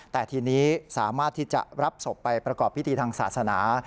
แต่ทีนี้สามารถที่จะรับศพไปประกอบพิธีทางศาสนา